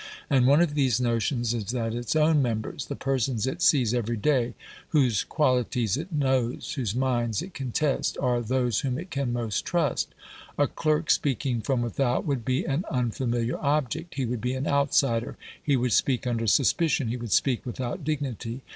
And one of these notions is that its own members the persons it sees every day whose qualities it knows, whose minds it can test, are those whom it can most trust. A clerk speaking from without would be an unfamiliar object. He would be an outsider. He would speak under suspicion; he would speak without dignity.